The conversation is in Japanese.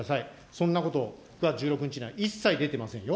そんなこと、９月１６日には一切出てませんよ。